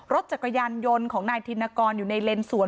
รถจักรยานยนต์ของนายธินกรอยู่ในเลนสวน